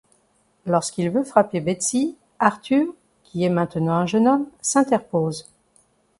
Lorsqu'il veut frapper Bethsy, Arthur qui est maintenant un jeune homme s'interpose.